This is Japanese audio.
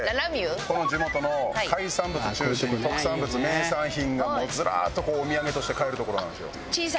この地元の海産物を中心に特産物名産品がもうズラーッとお土産として買える所なんですよ。